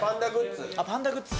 パンダグッズ。